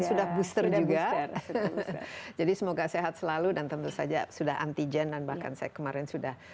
sudah booster juga jadi semoga sehat selalu dan tentu saja sudah antigen dan bahkan saya kemarin sudah